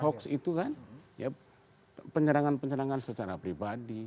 hoks hoks itu kan penyerangan penyerangan secara pribadi